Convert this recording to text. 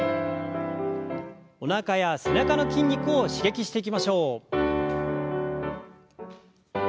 おなかや背中の筋肉を刺激していきましょう。